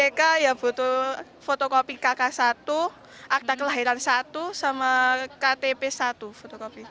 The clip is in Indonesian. mereka ya butuh fotokopi kk satu akta kelahiran satu sama ktp satu fotokopi